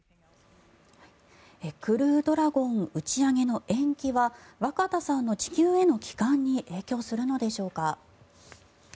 クルードラゴン打ち上げの延期は若田さんの地球への帰還に影響するのでしょうか。